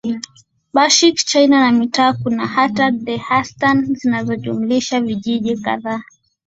bakhsh Chini ya mitaa kuna kata dehestan zinazojumlisha vijiji kadhaa